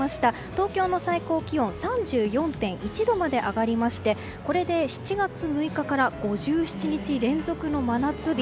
東京の最高気温３４．１度まで上がりましてこれで７月６日から５７日連続の真夏日。